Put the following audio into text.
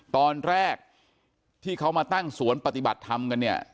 ตอนแรกที่เขามาตั้งสวนปฏิบัติธรรมกันเนี่ย